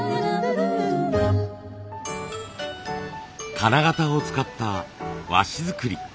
金型を使った和紙作り。